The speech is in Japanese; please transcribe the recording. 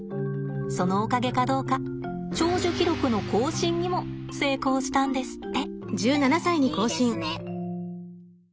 そのおかげかどうか長寿記録の更新にも成功したんですって。